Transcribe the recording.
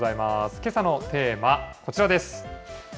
けさのテーマ、こちらです。